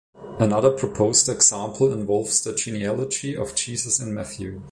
Another proposed example involves the genealogy of Jesus in Matthew.